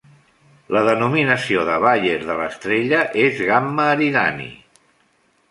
La denominació de Bayer de l'estrella és Gamma Eridani.